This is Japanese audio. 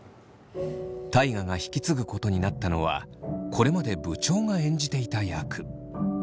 大我が引き継ぐことになったのはこれまで部長が演じていた役。